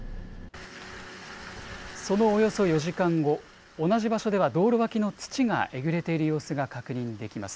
そのおよそ４時間後、同じ場所では道路脇の土がえぐれている様子が確認できます。